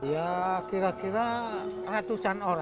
ya kira kira ratusan orang